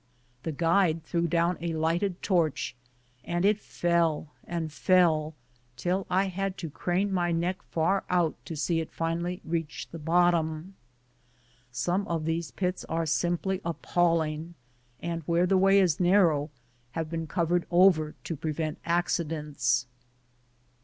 The guide threw down a lighted torch, and it fell and fell, till I had to crane my neck far out to see it finally reach the bot tom. Some of these pits are simply appalling, and where the way is narrow, have been covered over to prevent accidents.